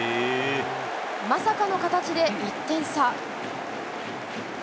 まさかの形で１点差。